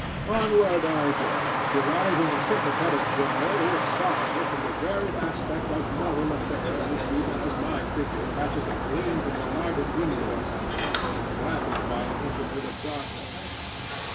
Onward I go, deriving a sympathetic joy or sorrow from the varied aspect of mortal affairs even as my figure catches a gleam from the lighted windows or is blackened by an interval of darkness.